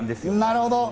なるほど。